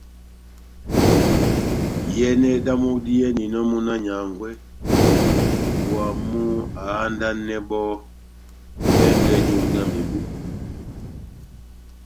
Iyɛnɛ dámu diyɛninɔmúna wa nyángwɛ wamu ahandanɛ bɔ́ vɛngɛ jomu dá mebu ,